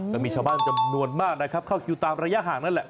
ก็มีชาวบ้านจำนวนมากนะครับเข้าคิวตามระยะห่างนั่นแหละ